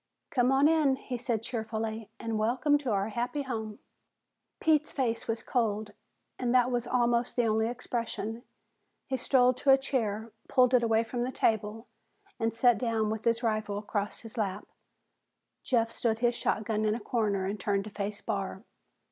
"Come on in," he said cheerfully. "And welcome to our happy home!" Pete's face was cold, and that was almost the only expression. He strode to a chair, pulled it away from the table and sat down with his rifle across his lap. Jeff stood his shotgun in a corner and turned to face Barr.